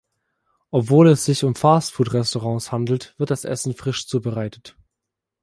Obwohl es sich um Fastfoodrestaurants handelt, wird das Essen frisch zubereitet.